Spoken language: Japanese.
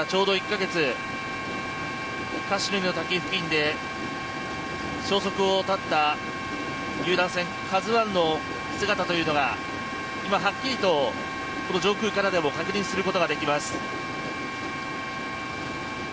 カシュニの滝付近で消息を絶った遊覧船「ＫＡＺＵ１」の姿というのが今、はっきりと上空からも確認することができます。